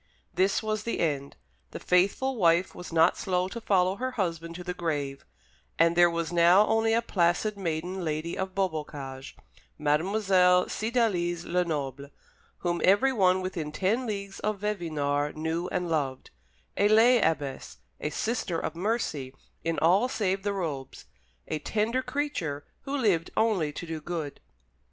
This was the end. The faithful wife was not slow to follow her husband to the grave, and there was now only a placid maiden lady at Beaubocage, Mademoiselle Cydalise Lenoble, whom everyone within ten leagues of Vevinord knew and loved, a lay abbess, a Sister of Mercy in all save the robes; a tender creature, who lived only to do good.